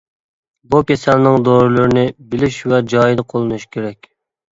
بۇ كېسەلنىڭ دورىلىرىنى بىلىش ۋە جايىدا قوللىنىش كېرەك.